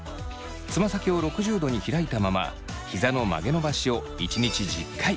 つま先を６０度に開いたままひざの曲げ伸ばしを１日１０回。